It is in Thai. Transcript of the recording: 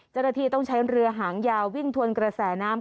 จรฐีต้องใช้เรือหางยาววิ่งทวนกระแสน้ำ